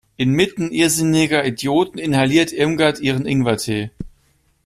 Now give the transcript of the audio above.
Inmitten irrsinniger Idioten inhaliert Irmgard ihren Ingwertee.